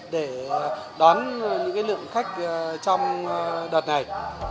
để đón những lượng khách trong đợt này